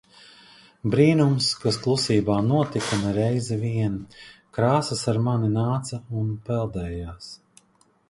Brīnums, kas klusībā notika ne reizi vien. Krāsas ar mani nāca un peldējās.